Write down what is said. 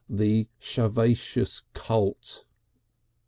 The Shoveacious Cult."